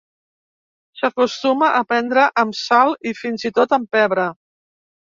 S'acostuma a prendre amb sal i fins i tot amb pebre.